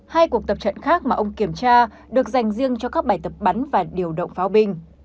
hai cuộc tập trận khác mà ông kiểm tra được dành riêng cho các bài tập bắn và điều động pháo binh